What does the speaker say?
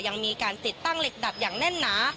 ยังมีการติดตั้งเหล็กดัดอย่างแน่นหนา